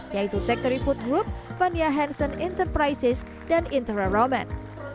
yaitu techtree food group fania hansen enterprises dan interaroman